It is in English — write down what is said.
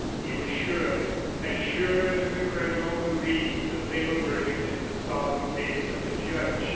He was sure of it; as sure as the criminal who reads the fatal verdict in the solemn face of the judge.